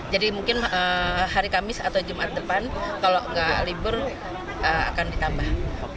jadi mungkin hari kamis atau jumat depan kalau tidak libur akan ditambah